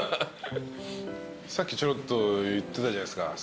さっきちょろっと言ってたじゃないですか。